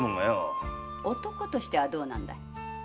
男としてはどうなんだい？